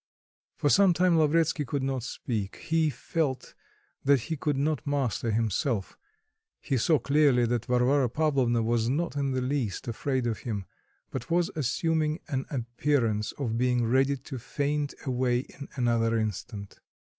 For some time Lavretsky could not speak; he felt that he could not master himself, he saw clearly that Varvara Pavlovna was not in the least afraid of him, but was assuming an appearance of being ready to faint away in another instant.